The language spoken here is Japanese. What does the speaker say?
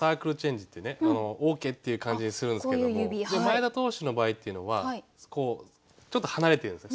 「オーケー」っていう感じにするんですけども前田投手の場合っていうのはちょっと離れてるんですね。